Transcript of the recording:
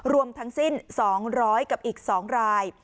รวมทั้งสิ้น๒๐๐กับอีก๒ราย